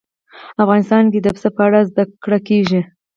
افغانستان کې د پسه په اړه زده کړه کېږي.